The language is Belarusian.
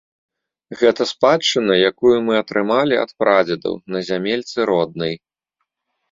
Гэта спадчына, якую мы атрымалі ад прадзедаў на зямельцы роднай.